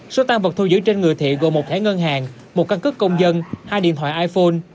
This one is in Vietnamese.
số tăng vật thu giữ trên người thiện gồm một thẻ ngân hàng một căn cức công dân hai điện thoại iphone